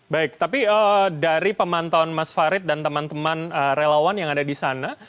baik tapi dari pemantauan mas farid dan teman teman relawan yang ada di sana